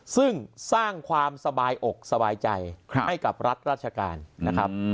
ซึ่งสร้างความสบายอกสบายใจให้กับรัฐราชการนะครับ